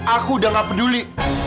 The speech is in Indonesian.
aku udah gak peduli